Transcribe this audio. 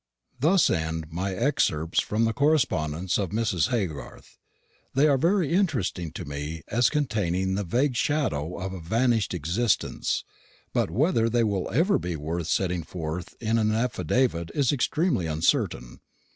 Thus end my excerpts from the correspondence of Mrs. Haygarthe. They are very interesting to me, as containing the vague shadow of a vanished existence; but whether they will ever be worth setting forth in an affidavit is extremely uncertain.